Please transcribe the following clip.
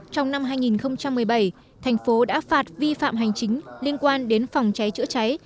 trong năm hai nghìn một mươi bảy thành phố đã phạt vi phạm hành chính liên quan đến phòng cháy chữa cháy